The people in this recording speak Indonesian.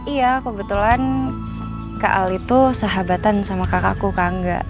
iya kebetulan kak al itu sahabatan sama kakakku kangga